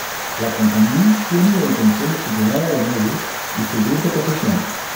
La compañía tiene la intención de superar a Lenovo y subir de posición.